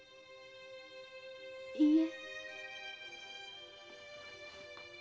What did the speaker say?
いいえ。